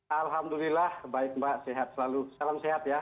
alhamdulillah baik mbak sehat selalu salam sehat ya